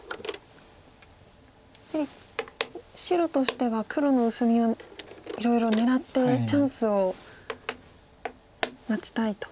やはり白としては黒の薄みをいろいろ狙ってチャンスを待ちたいと。